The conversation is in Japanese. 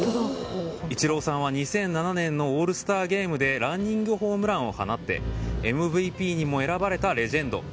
イチローさんは２００７年のオールスターゲームでランニングホームランを放ってＭＶＰにも選ばれたレジェンド。